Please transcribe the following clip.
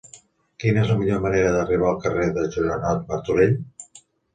Quina és la millor manera d'arribar al carrer de Joanot Martorell?